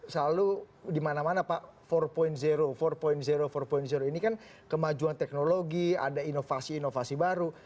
selalu di mana mana pak empat empat empat ini kan kemajuan teknologi ada inovasi inovasi baru